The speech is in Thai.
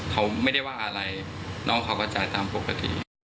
เขาไม่ได้ว่าอะไรน้องเขาก็จ่ายตามปกติ